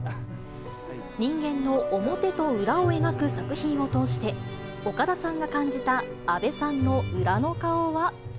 人間の表と裏を描く作品を通して、岡田さんが感じた阿部さんの裏の顔は。